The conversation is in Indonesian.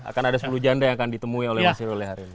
akan ada sepuluh janda yang akan ditemui oleh mas siroleh hari ini